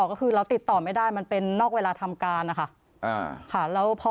ก็คือเราติดต่อไม่ได้มันเป็นนอกเวลาทำการนะคะ